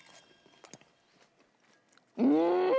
うん！